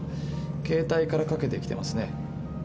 携帯からかけてきてますね。